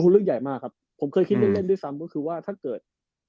เรื่องใหญ่มากครับผมเคยคิดเล่นด้วยซ้ำก็คือว่าถ้าเกิด